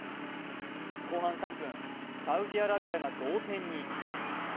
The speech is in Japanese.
後半３分、サウジアラビアが同点に。